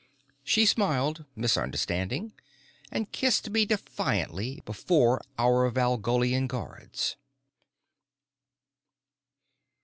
She smiled, misunderstanding, and kissed me defiantly before our Valgolian guards.